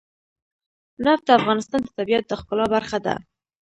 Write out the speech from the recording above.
نفت د افغانستان د طبیعت د ښکلا برخه ده.